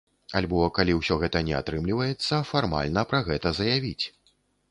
Альбо калі ўсё гэта не атрымліваецца, фармальна пра гэта заявіць.